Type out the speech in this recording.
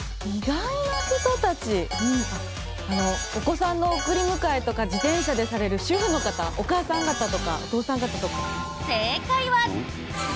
お子さんの送り迎えとか自転車でされる主婦の方お母さん方とかお父さん方とか。